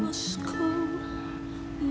bukan lagi kampusku